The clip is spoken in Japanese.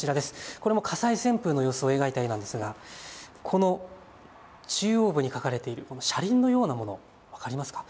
これも火災旋風の様子を描いた絵なんですがこの中央部に描かれているこの車輪のようなもの、分かりますか。